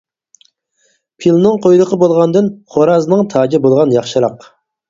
پىلنىڭ قۇيرۇقى بولغاندىن خورازنىڭ تاجى بولغان ياخشىراق.